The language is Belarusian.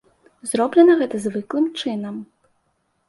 Зроблена гэта звыклым чынам.